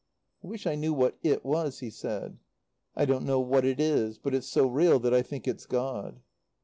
"I wish I knew what It was," he said. "I don't know what it is. But it's so real that I think it's God."